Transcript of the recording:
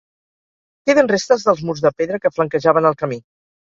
Queden restes dels murs de pedra que flanquejaven el camí.